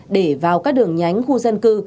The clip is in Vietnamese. để vào các đường nhánh khu dân cư